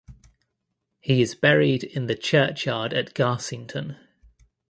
He is buried in the churchyard at Garsington.